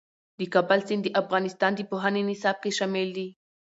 د کابل سیند د افغانستان د پوهنې نصاب کې شامل دي.